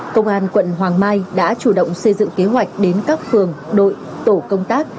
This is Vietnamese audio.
công an quận hoàng mai đã chủ động xây dựng kế hoạch đến các phường đội tổ công tác